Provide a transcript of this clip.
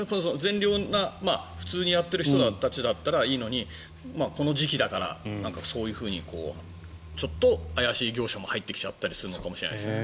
善良な普通にやってる人たちだったらいいのにこの時期だから、そういうふうにちょっと怪しい業者も入ってきちゃったりするのかもしれないですね。